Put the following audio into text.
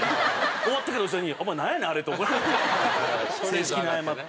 終わってから吉田に「お前なんやねん？あれ」って怒られて正式に謝って。